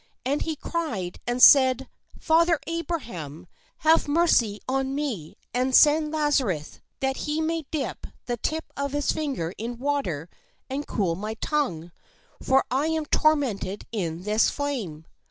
And he cried and said: " Father Abraham, have mercy on me, and send Lazarus, that he may dip the tip of his finger in water, and cool my tongue; for I am tormented in this flame."